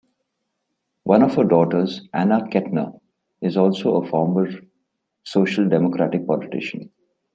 One of her daughters, Anna Kettner, is also a former Social Democratic politician.